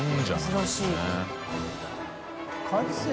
珍しいな。